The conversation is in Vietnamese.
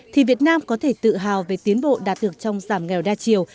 thì việt nam có thể tự hào về tiến bộ đạt được trong giảm nghèo đa chiều